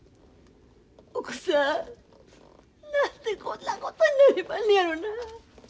奥さん何でこんなことになりまんねやろな。